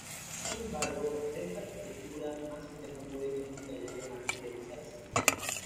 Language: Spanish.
Sin embargo, esta arquitectura más compleja puede que nunca llegue a materializarse.